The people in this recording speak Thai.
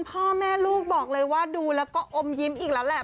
พ่อแม่ลูกบอกเลยว่าดูแล้วก็อมยิ้มอีกแล้วแหละ